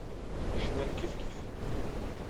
Cnan kifkif.